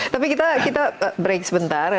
tapi kita break sebentar